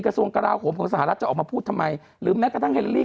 กระทรวงกะลาโขมของสหรัฐจะออกมาพูดทำไมหรือแม่ถ้าแฮลลี่